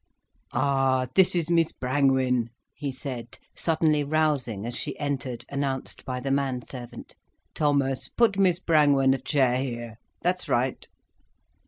"Ah, this is Miss Brangwen," he said, suddenly rousing as she entered, announced by the man servant. "Thomas, put Miss Brangwen a chair here—that's right."